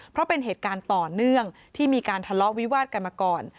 เพราะเป็นเหตุการณ์ต่อเนื่องที่มีการทะเลาะวิวาดกันมาก่อน